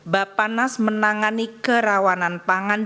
bapanas menangani kerawanan pangan